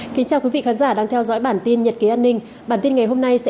chào mừng quý vị đến với bản tin nhật kế an ninh